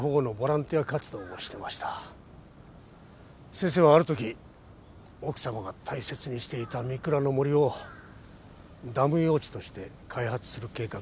先生はあるとき奥様が大切にしていた御倉の森をダム用地として開発する計画を推し進めました。